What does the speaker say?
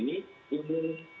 nah kita lihat